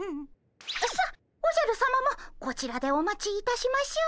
さあおじゃるさまもこちらでお待ちいたしましょう。